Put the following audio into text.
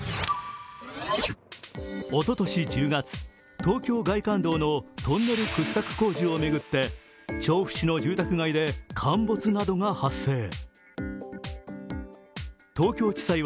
おととし１０月東京外環道のトンネル掘削工事を巡って調布市の住宅街で陥没などが発生。